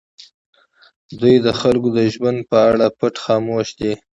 دوی د خلکو د ژوند په اړه پټ خاموش دي.